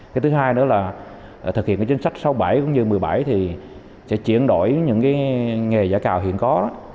cái thứ hai nữa là thực hiện cái chính sách sáu bảy cũng như một mươi bảy thì sẽ chuyển đổi những nghề giã cào hiện có